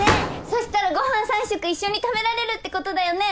そしたらご飯３食一緒に食べられるってことだよね？